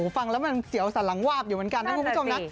ฟังแล้วมันเสียวสันหลังวาบอยู่เหมือนกันนะคุณผู้ชมนะ